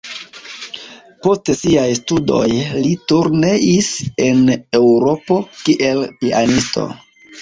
Post siaj studoj li turneis en Eŭropo kiel pianisto.